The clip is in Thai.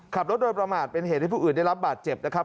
ขับรถโดยประมาทเป็นเหตุให้ผู้อื่นได้รับบาดเจ็บนะครับ